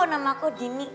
nama aku dini